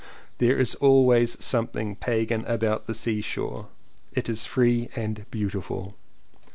There is always something Pagan about the seashore: it is free and beautiful.